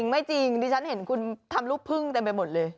ไม่จริงดิฉันเห็นคุณทำลูกพึ่งเต็มไปหมดเลย